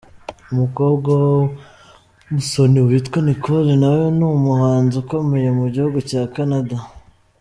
Umukobwa wa Musoni witwa Nicole nawe ni umuhanzi ukomeye mu gihugu cya Canada.